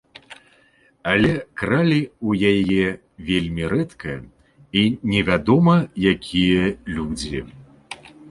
Але кралі ў яе вельмі рэдка і невядома якія людзі.